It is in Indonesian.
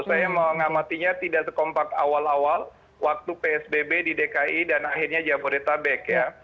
saya mengamatinya tidak sekompak awal awal waktu psbb di dki dan akhirnya jabodetabek ya